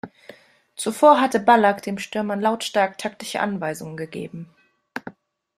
Zuvor hatte Ballack dem Stürmer lautstark taktische Anweisungen gegeben.